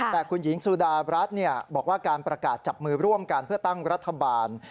แต่คุณหญิงสุดารัฐบอกว่าการประกาศจับมือร่วมกันเพื่อตั้งรัฐบาล